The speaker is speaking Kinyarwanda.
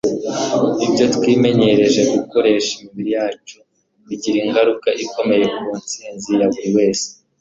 ibyo twimenyereje gukoresha imibiri yacu bigira ingaruka ikomeye ku nsinzi ya buri wese